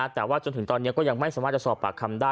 แต่ว่าจนถึงตอนนี้ก็ยังไม่สามารถจะสอบปากคำได้